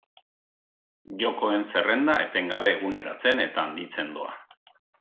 Jokoen zerrenda etengabe eguneratzen eta handitzen doa.